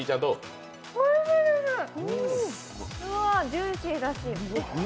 ジューシーだし。